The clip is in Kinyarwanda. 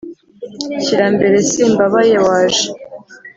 shyira-mbere, simbabaye waje